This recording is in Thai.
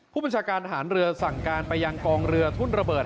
ผู้บัญชาการทหารเรือสั่งการไปยังกองเรือทุ่นระเบิด